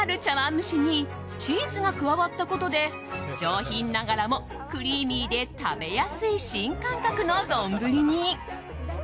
蒸しにチーズが加わったことで上品ながらもクリーミーで食べやすい新感覚の丼に。